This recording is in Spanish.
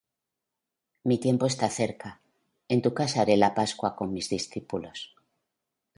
Mi tiempo está cerca; en tu casa haré la pascua con mis discípulos.